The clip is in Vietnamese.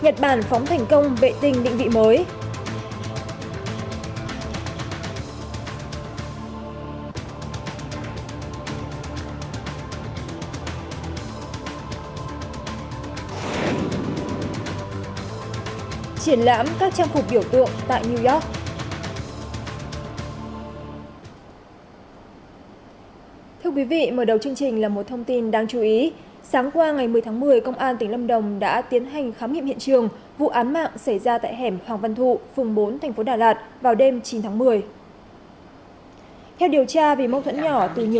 trong phần tin thế giới nhật bản phóng thành công vệ tinh định vị mới